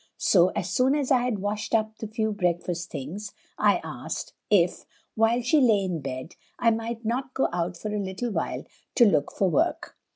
So, as soon as I had washed up the few breakfast things, I asked, if, while she lay in bed, I might not go out for a little while to look for work.